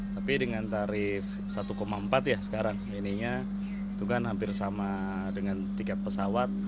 tapi dengan tarif satu empat ya sekarang ininya itu kan hampir sama dengan tiket pesawat